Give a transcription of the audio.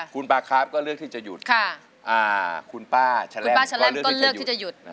คุณปลาครับก็เลือกที่จะหยุดคุณป้าแฉลมก็เลือกที่จะหยุด